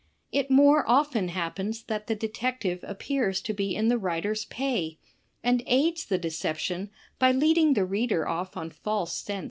It more often happens that the detective appears to be in the writer^s pay, and aids the deception by leading the reader off on false scents.